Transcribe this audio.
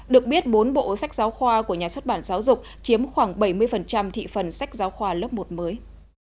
được biết bốn bộ sách giáo khoa của nhà xuất bản giáo dục chiếm khoảng bảy mươi thị phần sách giáo khoa lớp một mới